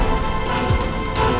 ditubuhkan kepaduk dulu